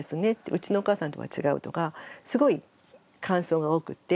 「うちのお母さんとは違う」とかすごい感想が多くて。